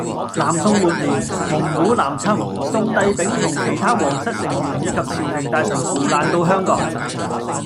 南宋末年，蒙古南侵，宋帝昺同其它皇室成員以及朝廷大臣逃難到香港